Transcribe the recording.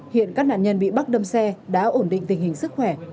hiện các nạn nhân bị bắt đâm xe đã ổn định tình hình sức khỏe